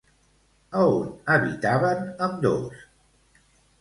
A on habitaven ambdós?